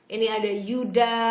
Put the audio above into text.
ini ada yuda